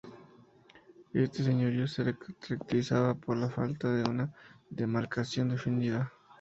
Este señorío se caracterizaba por la falta de una demarcación definida.